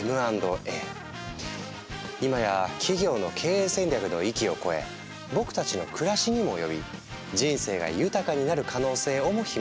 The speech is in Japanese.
今や企業の経営戦略の域を超え僕たちの暮らしにも及び人生が豊かになる可能性をも秘めている。